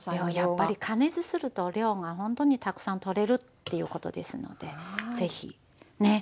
やっぱり加熱すると量がほんとにたくさんとれるっていうことですので是非ね